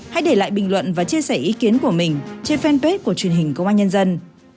hãy để lại bình luận và chia sẻ ý kiến của mình trên fanpage của truyền hình công an nhân dân